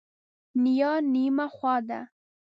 نیا نیمه خوا ده.